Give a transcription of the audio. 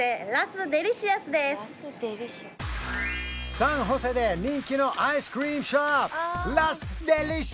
サンホセで人気のアイスクリームショップ